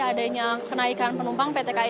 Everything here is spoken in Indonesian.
adanya kenaikan penumpang pt kai